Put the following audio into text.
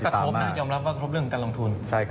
เพราะทำเรากระทบกับการลำทุน